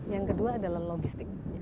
yang kedua adalah logistik